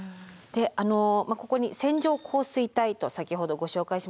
であのここに線状降水帯と先ほどご紹介しました。